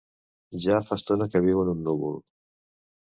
Ja fa estona que viu en un núvol.